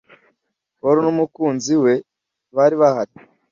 Paul n'umukunzi we bari bahari